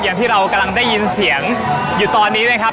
อย่างที่เรากำลังได้ยินเสียงอยู่ตอนนี้นะครับ